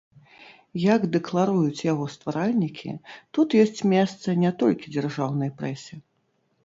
Як дэкларуюць яго стваральнікі, тут ёсць месца не толькі дзяржаўнай прэсе.